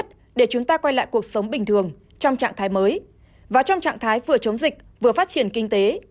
trong trạng thái mới và trong trạng thái vừa chống dịch vừa phát triển kinh tế